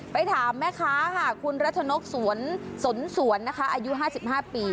ไปถามแม่ค้าค่ะคุณรัชนกสวนสนสวนนะคะอายุ๕๕ปี